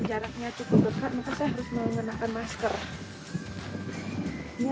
saya akan melakukan pengalaman dan peluang kekurangan oksigenya